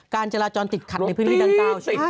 การจราจรติดขัดในพื้นที่ดังกล่าว